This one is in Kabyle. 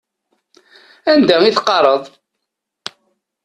Anda i teqqareḍ?